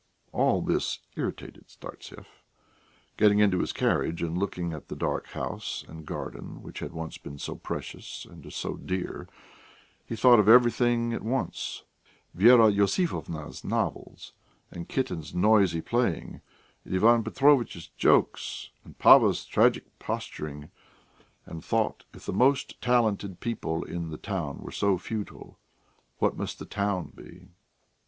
All this irritated Startsev. Getting into his carriage, and looking at the dark house and garden which had once been so precious and so dear, he thought of everything at once Vera Iosifovna's novels and Kitten's noisy playing, and Ivan Petrovitch's jokes and Pava's tragic posturing, and thought if the most talented people in the town were so futile, what must the town be?